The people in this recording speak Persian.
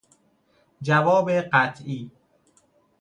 جواب قطعی